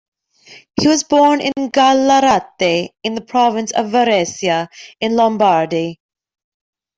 He was born in Gallarate, in the province of Varese in Lombardy.